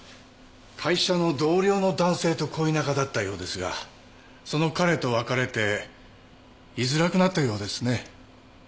会社の同僚の男性と恋仲だったようですがその彼と別れて居づらくなったようですね。